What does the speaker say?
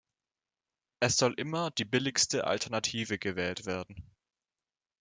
Es soll immer die billigste Alternative gewählt werden.